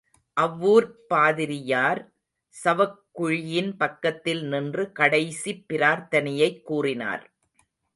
அவ்வூர்ப் பாதிரியார் சவக்குழியின் பக்கத்தில் நின்று கடைசிப் பிரார்த்தனையைக் கூறினார்.